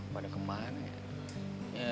pada kemana ya